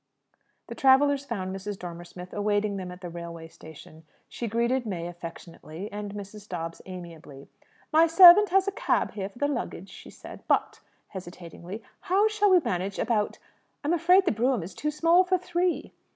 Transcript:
The travellers found Mrs. Dormer Smith awaiting them at the railway station. She greeted May affectionately, and Mrs. Dobbs amiably. "My servant has a cab here for the luggage," she said. "But" hesitatingly "how shall we manage about ? I'm afraid the brougham is too small for three."